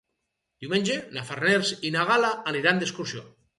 Diumenge na Farners i na Gal·la aniran d'excursió.